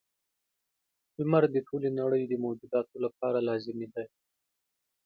• لمر د ټولې نړۍ د موجوداتو لپاره لازمي دی.